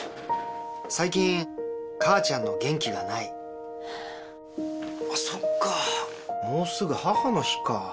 最近母ちゃんの元気がないそっかもうすぐ母の日か。